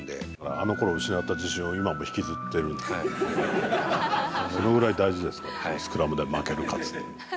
あのころ失った自信を今も引きずってるんで、それぐらい大事ですから、スクラムで負ける、勝つって。